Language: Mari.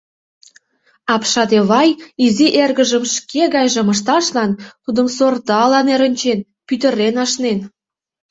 Апшат Эвай изи эргыжым шке гайжым ышташлан тудым сортала нерынчен, пӱтырен ашнен.